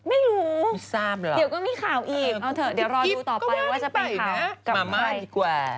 ไม่รู้เดี๋ยวก็มีข่าวอีกเอาเถอะเดี๋ยวรอดูต่อไปว่าจะเป็นข่าวกับใคร